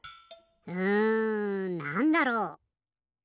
うんなんだろう？